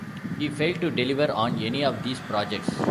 He failed to deliver on any of these projects.